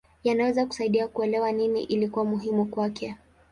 Yanaweza kusaidia kuelewa nini ilikuwa muhimu kwake.